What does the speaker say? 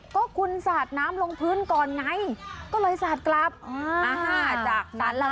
ก็คุณสาดน้ำลงพื้นก่อนไงก็เลยสาดกลับอ่าจากนั้นแล้วค่ะ